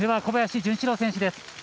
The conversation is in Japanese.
小林潤志郎選手です。